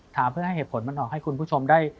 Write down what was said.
เพื่อให้เหตุผลมันออกให้คุณผู้ชมได้